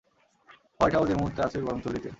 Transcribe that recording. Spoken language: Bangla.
হোয়াইট হাউস এই মুহূর্তে আছে গরম চুল্লীতে!